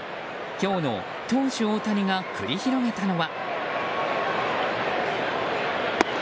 今日の投手・大谷が繰り広げたのは。